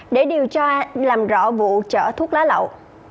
để điều tra làm rõ vụ chở thuốc lá lậu